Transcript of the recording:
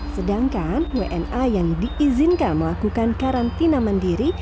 sedangkan wni yang diizinkan melakukan karantina di fasilitas mandiri